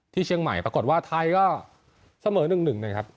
ที่เชียงใหม่ปรากฏว่าไทยก็เสมอ๑๑นะครับ